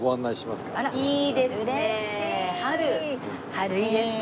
春いいですね。